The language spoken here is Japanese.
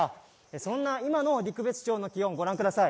そんな今の陸別町の気温ご覧ください